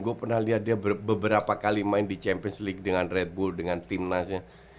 gue pernah lihat dia beberapa kali main di champions league dengan red bull dengan timnasnya